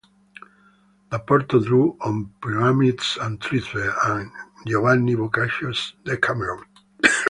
Da Porto drew on "Pyramus and Thisbe" and Giovanni Boccaccio's "Decameron".